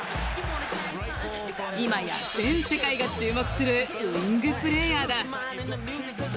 今や全世界が注目するウイングプレーヤーだ。